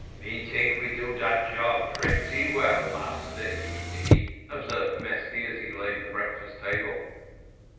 "Me tink we do dat job pretty well, Massa Easy," observed Mesty, as he laid the breakfast table.